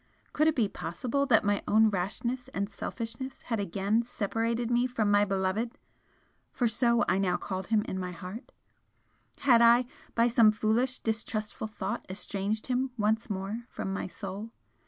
Could it be possible that my own rashness and selfishness had again separated me from my beloved? for so I now called him in my heart had I by some foolish, distrustful thought estranged him once more from my soul?